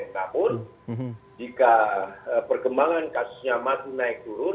namun jika perkembangan kasusnya masih naik turun